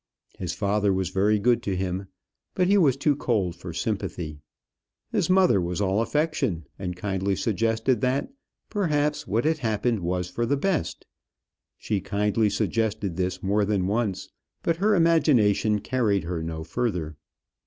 His father was very good to him; but he was too cold for sympathy. His mother was all affection, and kindly suggested that, perhaps, what had happened was for the best: she kindly suggested this more than once, but her imagination carried her no further.